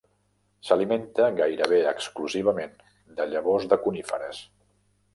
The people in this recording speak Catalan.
S'alimenta gairebé exclusivament de llavors de coníferes.